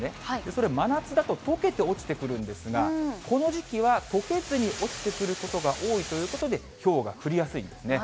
それ、真夏だととけて落ちてくるんですが、この時期はとけずに落ちてくることが多いということで、ひょうがなるほど。